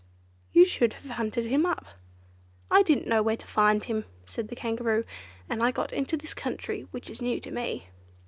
You should have hunted him up." "I didn't know where to find him," said the Kangaroo, "and I got into this country, which is new to me."